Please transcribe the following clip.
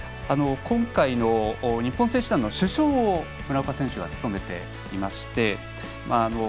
今回の日本選手団の主将を村岡選手は務めていまして。